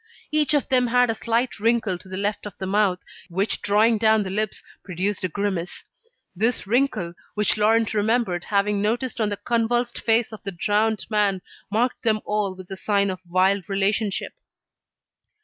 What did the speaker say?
Each of them had a slight wrinkle to the left of the mouth, which drawing down the lips, produced a grimace. This wrinkle, which Laurent remembered having noticed on the convulsed face of the drowned man, marked them all with a sign of vile relationship.